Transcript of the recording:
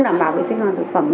nhất là khi mùa hè đi chơi